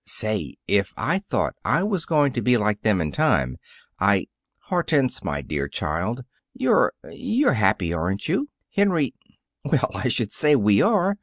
Say, if I thought I was going to be like them in time, I " "Hortense, my dear child, you're you're happy, aren't you? Henry " "Well, I should say we are!